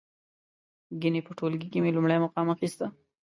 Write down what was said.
ګنې په ټولګي کې مې لومړی مقام اخسته.